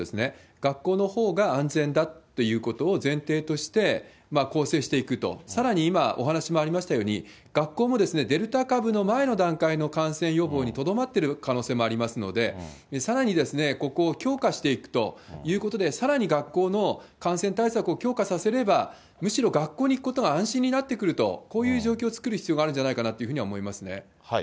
学校のほうが安全だっていうことを前提としてこうせいしていくと、さらに今、お話もありましたように、学校もデルタ株の前の段階の感染予防にとどまっている可能性もありますので、さらにここを強化していくということで、さらに学校の感染対策を強化させれば、むしろ学校に行くことが安心になってくると、こういう状況を作る必要があるんじゃないかなと思いますね。